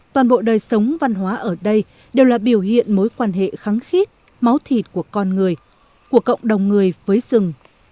toàn bộ đời sống văn hóa ở đây đều là biểu hiện mối quan hệ khắng khít máu thịt của con người của cộng đồng người với rừng